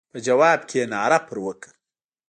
په ځواب کې ناره پر وکړه.